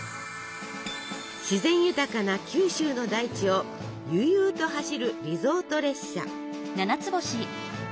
自然豊かな九州の大地を悠々と走るリゾート列車。